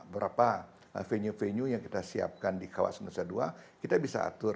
berapa venue venue yang kita siapkan di kawasan nusa dua kita bisa atur